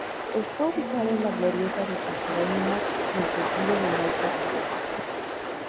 Está ubicada en la glorieta de San Jerónimo en sentido de norte a sur.